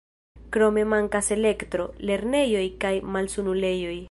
Krome mankas elektro, lernejoj kaj malsanulejoj.